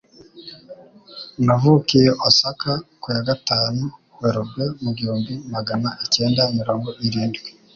Navukiye Osaka ku ya gatanu Werurwe mu igihumbi Magana icyenda mirongo irindwi.